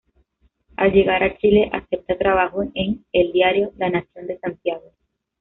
Al llegar a Chile, acepta trabajo en el diario "La Nación" de Santiago.